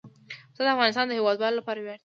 پسه د افغانستان د هیوادوالو لپاره ویاړ دی.